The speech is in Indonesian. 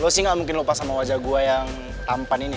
lo sih gak mungkin lupa sama wajah gue yang tampan ini ya